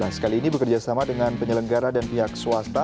sekali ini bekerjasama dengan penyelenggara dan pihak swasta